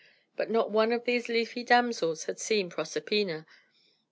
But not one of these leafy damsels had seen Proserpina.